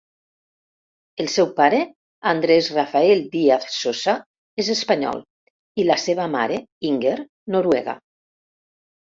El seu pare, Andrés Rafael Diaz Sosa, és espanyol, i la seva mare, Inger, noruega.